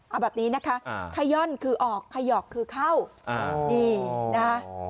เอาแบบนี้นะคะขย่อนคือออกขยอกคือเข้านี่นะคะ